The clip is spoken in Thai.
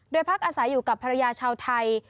โดยพักอาศัยอยู่กับภรรยาชาวไทย